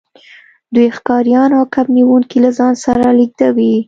دوی ښکاریان او کب نیونکي له ځان سره لیږدوي